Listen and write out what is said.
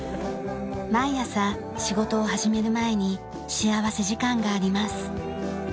毎朝仕事を始める前に幸福時間があります。